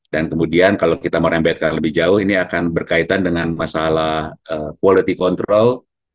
dan kemudian kalau kita mau rembatkan lebih jauh ini akan berkaitan dengan masalah quality control